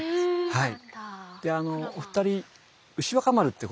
はい。